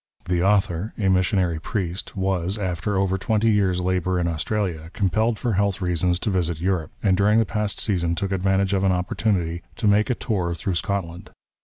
The author, a missionary priest, was, after over twenty years' labour in Austraha, compelled for health reasons to visit Europe ; and during the past season took advantage of an opportunity to make a tour through Scotland.